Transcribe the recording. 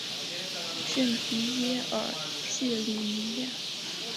圣皮耶尔谢里尼亚。